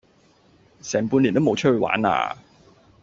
成半年冇出去玩喇